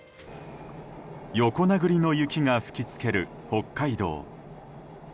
横殴りの雪が吹き付ける北海道。